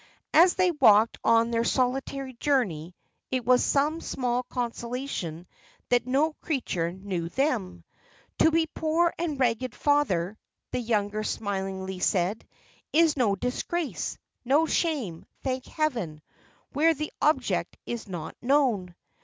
As they walked on their solitary journey, it was some small consolation that no creature knew them. "To be poor and ragged, father," the younger smilingly said, "is no disgrace, no shame, thank Heaven, where the object is not known."